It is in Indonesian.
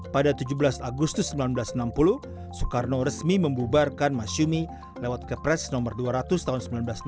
pada tujuh belas agustus seribu sembilan ratus enam puluh soekarno resmi membubarkan masyumi lewat kepres nomor dua ratus tahun seribu sembilan ratus delapan puluh